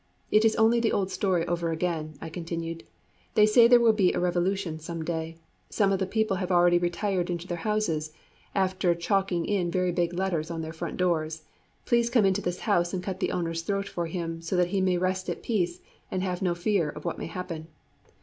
"It is only the old story over again!" I continued. "They say there will be a revolution some day. Some of the people have already retired into their houses, after chalking in very big letters on their front doors, 'Please come into this house and cut the owner's throat for him, so that he may rest at peace, and have no fear of what may happen.'